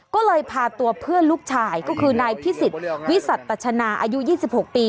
ก็เลยพาตัวเพื่อนลูกชายก็คือนายพิศิษฐ์วิสัตว์ตัชนาอายุยี่สิบหกปี